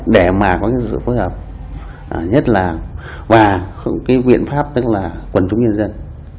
để có sự phối hợp và viện pháp quần chúng nhân dân